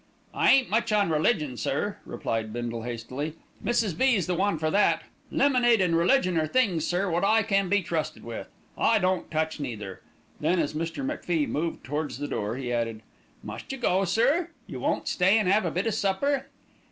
"I ain't much on religion, sir," replied Bindle hastily. "Mrs. B.'s the one for that. Lemonade and religion are things, sir, wot I can be trusted with. I don't touch neither." Then, as Mr. MacFie moved towards the door, he added, "Must you go, sir? You won't stay an' 'ave a bit o' supper?"